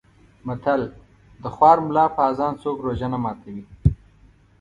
متل: د خوار ملا په اذان څوک روژه نه ماتوي.